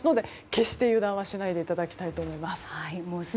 決して油断はしないでいただきたいと思います。